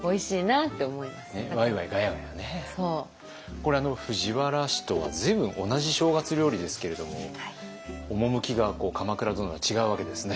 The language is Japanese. これ藤原氏とは随分同じ正月料理ですけれども趣が鎌倉殿は違うわけですね。